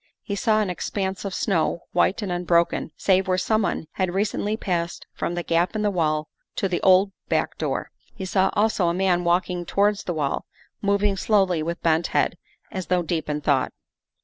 He saw an expanse of snow, white and unbroken, save where someone had recently passed from the gap in the wall to the old back door. He saw also a man walking towards the wall, moving slowly with bent head, as though deep in thought.